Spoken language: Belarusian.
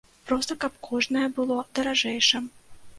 Проста, каб кожнае было даражэйшым.